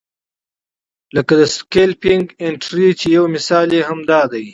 لکه د سکیلپنګ انټري چې یو مثال یې هم دا دی.